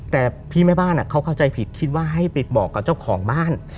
แต่พี่แม่บ้านเขาเข้าใจผิดคิดว่าให้ไปบอกกับเจ้าของบ้าน